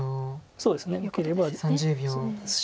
そうですねよければそうですし。